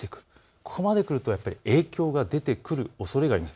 ここまでくると影響が出てくるおそれがあります。